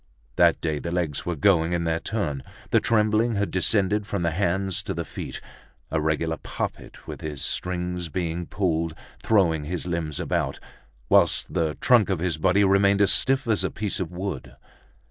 That day the legs were going in their turn, the trembling had descended from the hands to the feet; a regular puppet with his strings being pulled, throwing his limbs about, whilst the trunk of his body remained as stiff as a piece of wood.